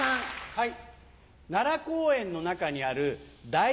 はい。